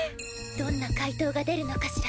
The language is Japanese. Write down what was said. どんな解答が出るのかしら？